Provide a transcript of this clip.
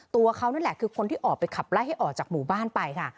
ตัวเขานั่นแหละคือคนที่ออกไปขับไล่ให้ออกจากหมู่บ้านไปค่ะ